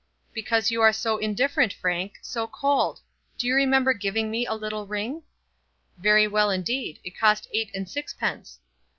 "Because you are so indifferent, Frank; so cold. Do you remember giving me a little ring?" "Very well indeed. It cost eight and sixpence."